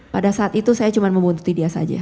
pada saat itu saya cuma membuntuti dia saja